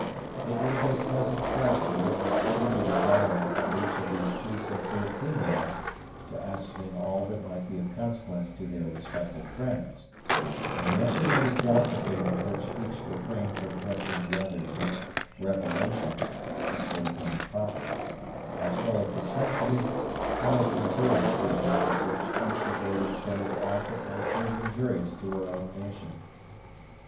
It would have been a pleasant sight to witness the eager desire of each of these two sincere females to ascertain all that might be of consequence to their respective friends; and yet the native delicacy with which each refrained from pressing the other to make revelations which would have been improper, as well as the sensitive, almost intuitive, feeling with which each avoided saying aught that might prove injurious to her own nation.